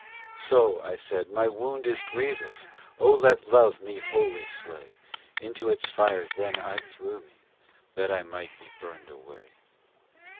So, I said, my wound is grievous ; O let love me wholly slay. Into its fires then I threw me, That I might be burned away.